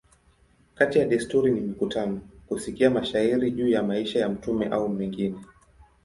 Kati ya desturi ni mikutano, kusikia mashairi juu ya maisha ya mtume a mengine.